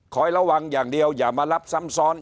ระวังอย่างเดียวอย่ามารับซ้ำซ้อน